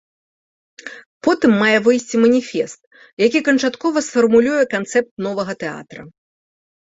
Потым мае выйсці маніфест, які канчаткова сфармулюе канцэпт новага тэатра.